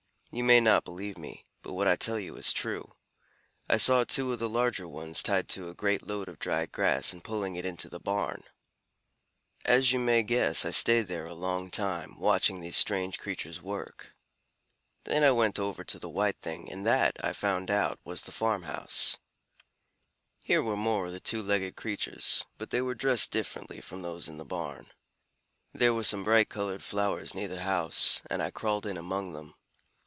You may not believe me, but what I tell you is true. I saw two of the larger ones tied to a great load of dried grass and pulling it into the barn. "As you may guess, I stayed there a long time, watching these strange creatures work. Then I went over toward the white thing, and that, I found out, was the farm house. Here were more of the two legged creatures, but they were dressed differently from those in the barn. There were some bright colored flowers near the house, and I crawled in among them.